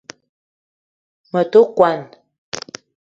Me te kwuan